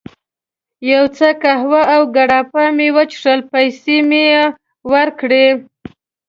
یو څه قهوه او ګراپا مې وڅښل، پیسې مې یې ورکړې.